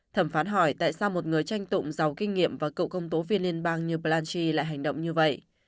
thẩm phán hỏi tại sao một người tranh tụng giàu kinh nghiệm và cựu công tố viên liên bang new blanchi lại hành động như vậy